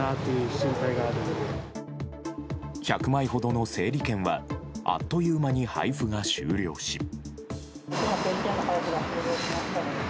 １００枚ほどの整理券はあっという間に配布が終了し。